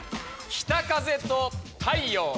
「北風」と「太陽」。